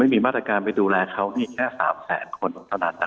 มีมาตรการไปดูแลเขาแค่๓แสนคนเท่านั้น